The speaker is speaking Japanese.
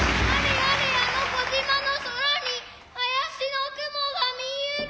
あれあの児島の空に怪しの雲が見ゆる。